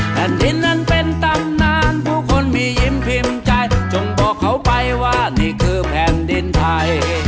แผ่นดินนั้นเป็นตำนานผู้คนมียิ้มพิมพ์ใจจงบอกเขาไปว่านี่คือแผ่นดินไทย